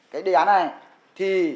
cái đề án này thì